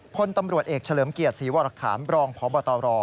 พลตำรวจเอกเฉลิมเกียรติศรีวรคามรองพบตร